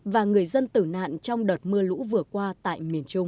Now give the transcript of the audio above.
và người dân tử nạn trong đợt mưa lũ vừa qua tại miền trung